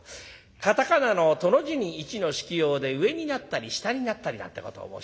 「カタカナのトの字に一の引きようで上になったり下になったり」なんてことを申しましてね。